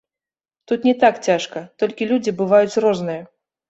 Тут не так цяжка, толькі людзі бываюць розныя.